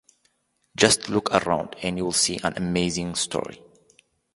Just look around and you’ll see an amazing story.